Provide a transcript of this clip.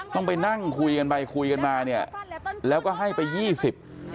ต้องไปนั่งคุยกันไปคุยกันมาเนี่ยแล้วก็ให้ไปยี่สิบ